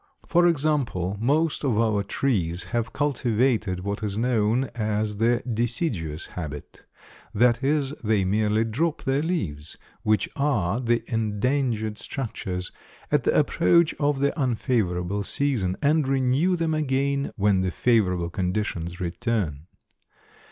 For example, most of our trees have cultivated what is known as the deciduous habit, that is, they merely drop their leaves, which are the endangered structures, at the approach of the unfavorable season, and renew them again when the favorable conditions return.